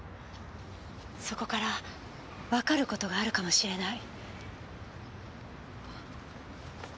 そこからわかることがあるかもしれない。